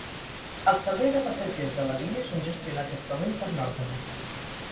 Els serveis de passatgers de la línia són gestionats actualment per Northern.